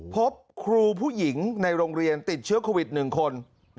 พบครูผู้หญิงในโรงเรียนติดเชื้อโควิด๑คน